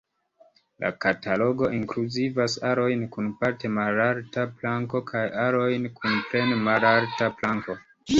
La katalogo inkluzivas arojn kun parte malalta planko kaj arojn kun plene malalta planko.